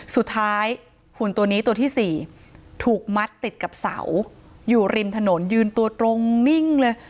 หุ่นตัวนี้ตัวที่๔ถูกมัดติดกับเสาอยู่ริมถนนยืนตัวตรงนิ่งเลย